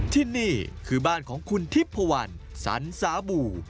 ที่นี่คือบ้านของคุณทิพพวันสันสาบู่